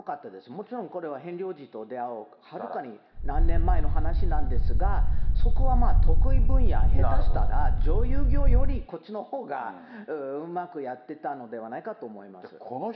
もちろん、これはヘンリー王子と出会うはるかに何年前の話なんですが、そこはまあ得意分野、下手したら、女優業よりこっちのほうがうまくやってたのではないかと思います。